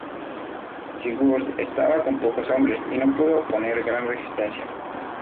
Sigurd contaba con pocos hombres, y no pudo oponer gran resistencia.